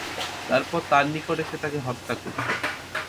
তারপর তার নিকট এসে তাকে হত্যা করত।